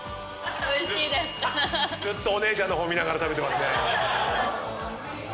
ずっとお姉ちゃんの方見ながら食べてますね。